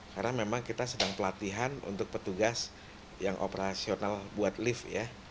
karena memang kita sedang pelatihan untuk petugas yang operasional buat lift ya